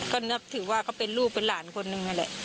ก็นับถือว่าเขาเป็นลูกเป็นหลานคนหนึ่งนั่นแหละ